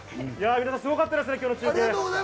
すごかったですね、今日の中継。